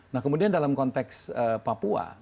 nah kemudian dalam konteks papua